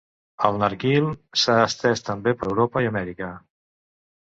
El narguil s'ha estès també per Europa i Amèrica.